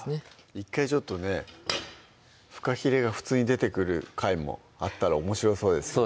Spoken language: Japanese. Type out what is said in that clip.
１回ちょっとねふかひれが普通に出てくる回もあったらおもしろそうですよね